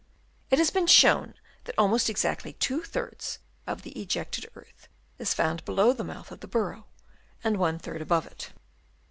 It has been shown that almost exactly two thirds of the ejected earth is found below the mouth of the burrow and one third above it.